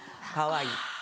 かわいい。